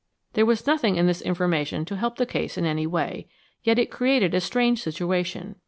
There was nothing in this information to help the case in any way, yet it created a strange situation.